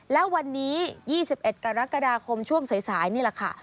และวันนี้๒๑กรกฎาคมช่วงสายนี่แหละค่ะ